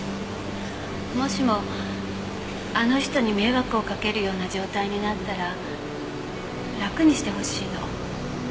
もしもあの人に迷惑をかけるような状態になったら楽にしてほしいの。